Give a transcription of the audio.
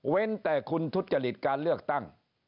เว้นแต่คุณทุฤจฤทธิ์การเลือกตั้ง